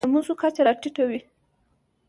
د مسو کچه راټېته وي.